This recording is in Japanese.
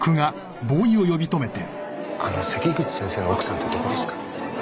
あの関口先生の奥さんってどこですか？